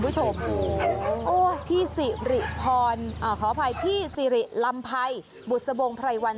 สิริพรอ่าขออภัยพี่สิริลำไพบุษบงไพรวัน